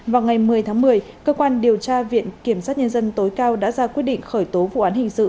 vào ngày một mươi tháng một mươi cơ quan điều tra viện kiểm sát nhân dân tối cao đã ra quyết định khởi tố vụ án hình sự